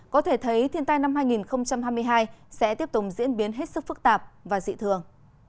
có thể thấy thiên tai năm hai nghìn hai mươi hai sẽ tiếp tục diễn biến hết sức phức tạp và dị thường